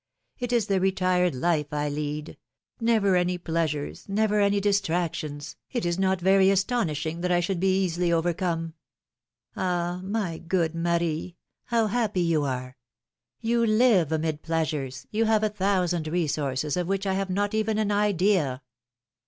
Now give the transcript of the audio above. It is the retired life I lead : never any pleasures, never any distractions, it is not very astonishing that I should be easily overcome. Ah! my good Marie! how happy you are! You live amid pleasures, you have a thousand resources of which I have not even an idea.